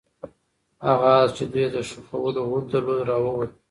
هغه آس چې دوی یې د ښخولو هوډ درلود راووت.